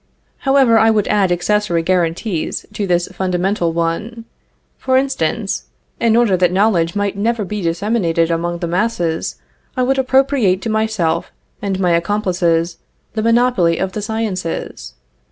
However, I would add accessory guarantees to this fundamental one. For instance, in order that knowledge might never be disseminated among the masses, I would appropriate to myself and my accomplices the monopoly of the sciences.